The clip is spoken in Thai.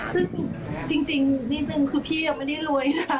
ซึ่งจริงนิดนึงคือพี่ยังไม่ได้รวยนะ